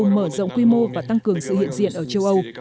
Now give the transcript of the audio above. cũng như việc nato mở rộng quy mô và tăng cường sự hiện diện ở châu âu